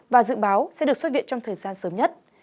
và dự báo sẽ được xuất viện trong thời gian sớm nhất